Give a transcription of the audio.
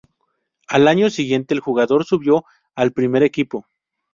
Al año siguiente el jugador subió al primer equipo.